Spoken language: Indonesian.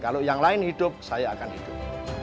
kalau yang lain hidup saya akan hidup